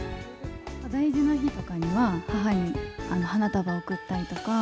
大事な日とかには、母に花束贈ったりとか。